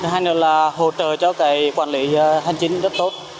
hai nữa là hỗ trợ cho cái quản lý hành chính rất tốt